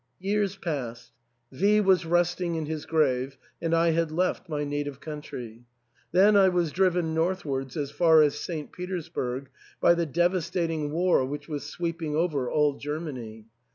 Years passed. V was resting in his grave, and I had left my native country. Then I was driven north wards, as far as St. Petersburg, by the devastating war which was sweeping over all Germany.